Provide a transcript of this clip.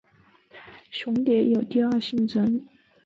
雄蝶有第二性征。